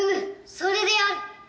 それである。